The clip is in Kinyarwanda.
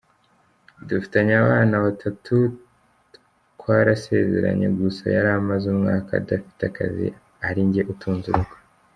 Dufitanye abana batatu, twarasezeranye, gusa yari amaze umwaka adafite akazi ari njye utunze urugo.